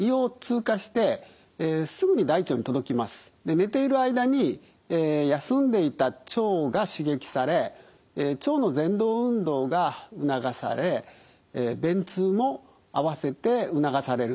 寝ている間に休んでいた腸が刺激され腸のぜん動運動が促され便通も併せて促される。